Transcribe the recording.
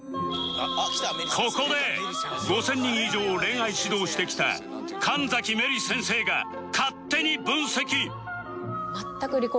ここで５０００人以上を恋愛指導してきた神崎メリ先生が勝手に分析